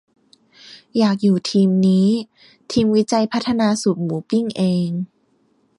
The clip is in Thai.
อยากอยู่ทีมนี้ ทีมวิจัยพัฒนาสูตรหมูปิ้งเอง